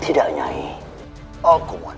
tidak ada yang bisa kubilang